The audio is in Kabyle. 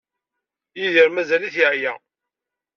Yidir mazal-it yeɛya?